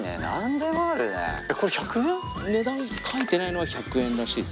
値段書いてないのは１００円らしいですよ。